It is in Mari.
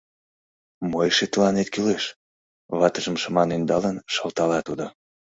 Мо эше тыланет кӱлеш? — ватыжым шыман ӧндалын, шылтала тудо.